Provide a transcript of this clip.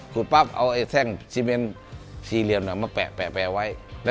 ขุดปั๊บเอาไอ้แทรงซีเมนซีเหลียวเวลาแปะแปะไว้